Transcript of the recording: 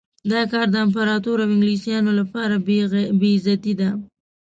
دا کار د امپراطور او انګلیسیانو لپاره بې عزتي ده.